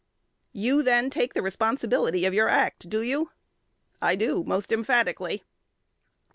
'You, then, take the responsibility of your acts; do you?' 'I do, most emphatically.'